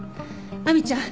亜美ちゃん